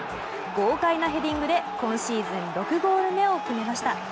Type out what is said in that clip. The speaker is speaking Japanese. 豪快なヘディングで今シーズン６ゴール目を決めました。